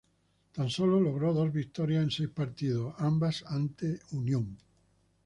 Tan solo logró dos victorias en seis partidos, ambas ante Unión.